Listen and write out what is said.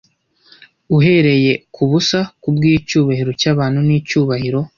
uhereye kubusa kubwicyubahiro cyabantu nicyubahiro